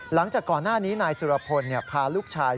หลังจากก่อนหน้านี้นายสุรพลพาลูกชาย